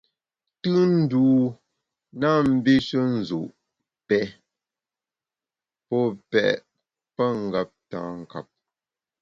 Tùnndû na mbishe nzu’, pè, pô pèt pengeptankap.